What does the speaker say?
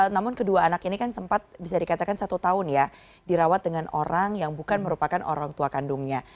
namun kedua anak ini kan sempat bisa dikatakan satu tahun ya dirawat dengan orang yang bukan merupakan orang tua kandungnya